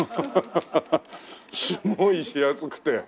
すごいしやすくて。